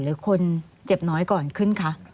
หรือคนเจ็บน้อยก่อนขึ้นคะ